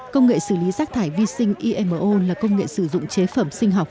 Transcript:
công nghệ xử lý rác thải vi sinh imo là công nghệ sử dụng chế phẩm sinh học